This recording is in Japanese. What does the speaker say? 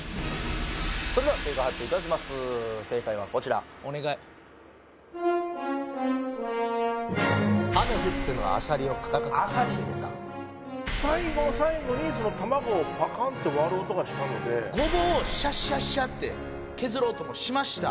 それでは正解発表いたします正解はこちらお願い雨降ってるのはアサリをカカカカって入れた最後の最後に卵をぱかーんって割る音がしたのでゴボウをシャッシャッシャッて削る音もしました